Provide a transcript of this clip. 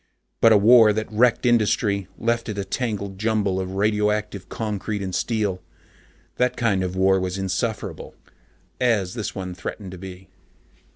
But a war that wrecked industry, left it a tangled jumble of radioactive concrete and steel that kind of war was insufferable, as this one threatened to be.